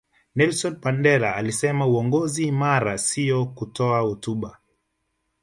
nelson mandela alisema uongozi imara siyo kutoa hotuba